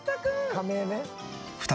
仮名ね。